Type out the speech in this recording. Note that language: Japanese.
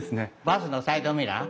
バスのサイドミラー。